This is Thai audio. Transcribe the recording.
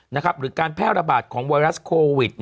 หรือการแพร่ระบาดของไวรัสโควิด